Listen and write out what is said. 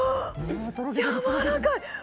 やわらかい！